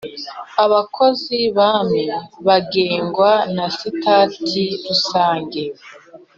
abakozi ba mmi bagengwa na sitati rusange